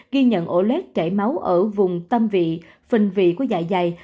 ghi nhận ổ lết chảy máu ở vùng tâm vị phình vị của dạ dày